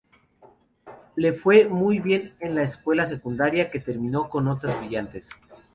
Le fue muy bien en la escuela secundaria, que terminó con notas brillantes.